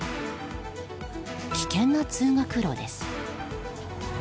危険な通学路です。